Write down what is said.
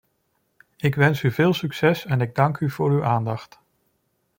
Ik wens u veel succes en ik dank u voor uw aandacht.